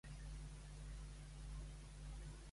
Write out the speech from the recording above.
Què ocorre de sobte?